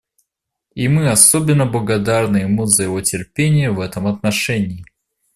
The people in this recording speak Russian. И мы особенно благодарны ему за его терпение в этом отношении.